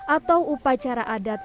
atau upacara adat